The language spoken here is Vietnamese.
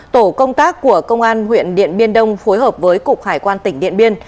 tổ công tác của công an huyện điện biên đông phối hợp với cục hải quan tỉnh điện biên